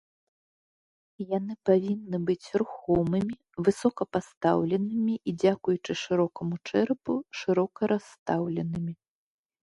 Яны павінны быць рухомымі, высока пастаўленымі і, дзякуючы шырокаму чэрапу, шырока расстаўленымі.